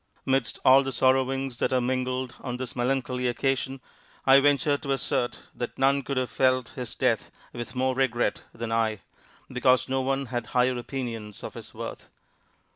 Midst all the sorrowings that are mingled on this melancholy occasion I venture to assert that none could have felt his death with more regret than I, because no one had higher opinions of his worth....